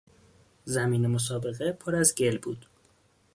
زمین مسابقه پر از گل بود.